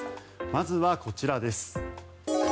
まずはこちらです。